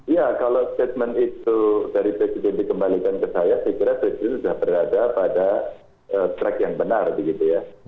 ya kalau statement itu dari presiden dikembalikan ke saya saya kira presiden sudah berada pada track yang benar begitu ya